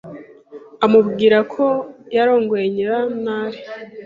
amubwira ko yarongoye Nyirantare